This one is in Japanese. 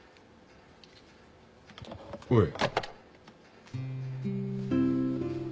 おい。